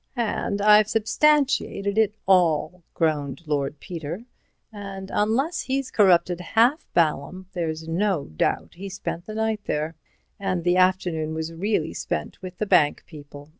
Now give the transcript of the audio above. "And I've substantiated it all," groaned Lord Peter, "and unless he's corrupted half Balham, there's no doubt he spent the night there. And the afternoon was really spent with the bank people.